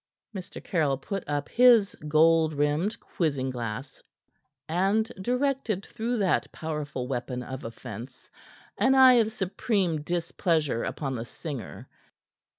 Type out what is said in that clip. Mr. Caryll put up his gold rimmed quizzing glass, and directed through that powerful weapon of offence an eye of supreme displeasure upon the singer.